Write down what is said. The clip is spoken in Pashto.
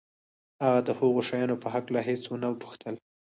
هغه د هغو شیانو په هکله هېڅ ونه پوښتل